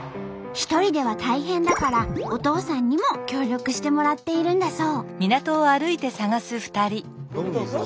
一人では大変だからお父さんにも協力してもらっているんだそう。